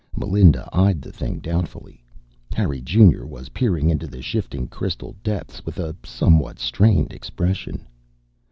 Melinda eyed the thing doubtfully. Harry Junior was peering into the shifting crystal depths with a somewhat strained expression.